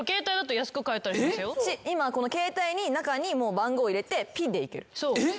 今この携帯に中に番号入れてピッでいける。